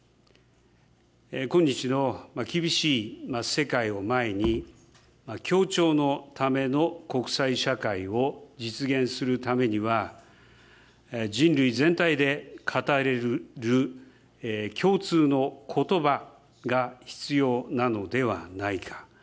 今日の厳しい世界を前に、協調のための国際社会を実現するためには、人類全体で語れる共通のことばが必要なのではないか。